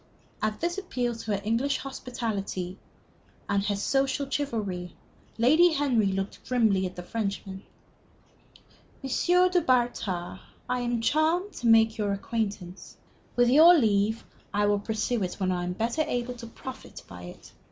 At this appeal to her English hospitality and her social chivalry, Lady Henry looked grimly at the Frenchman. "M. du Bartas, I am charmed to make your acquaintance. With your leave, I will pursue it when I am better able to profit by it.